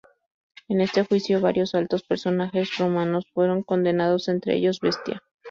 En este juicio varios altos personajes romanos fueron condenados, entre ellos, Bestia.